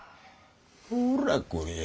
ほらこれや。